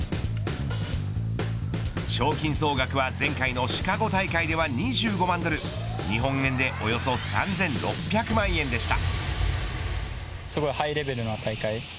賞金総額は前回のシカゴ大会では２５万ドル日本円でおよそ３６００万円でした。